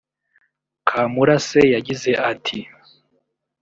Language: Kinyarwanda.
Kamurase yagize ati